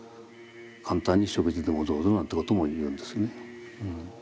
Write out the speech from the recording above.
簡単に食事でもどうぞなんてことも言うんですね。